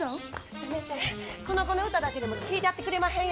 せめてこの子の歌だけでも聴いたってくれまへんやろか。